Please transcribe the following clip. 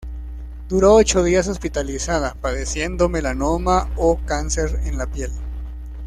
Duró ocho días hospitalizada, padeciendo melanoma o cáncer en la piel.